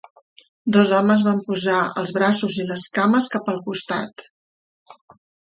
Dos homes van posar els braços i les cames cap al costat.